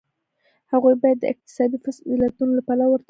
هغوی باید د اکتسابي فضیلتونو له پلوه ورته وي.